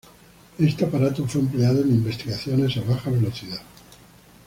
Este aparato fue empleado en investigaciones a baja velocidad.